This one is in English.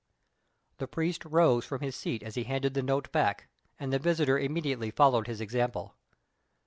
The priest rose from his seat as he handed the note back, and the visitor immediately followed his example.